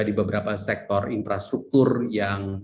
di beberapa sektor infrastruktur yang